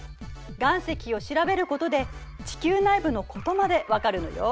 岩石を調べることで地球内部のことまで分かるのよ。